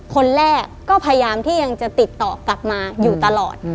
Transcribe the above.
คนแรกก็พยายามที่ยังจะติดต่อกลับมาอยู่ตลอด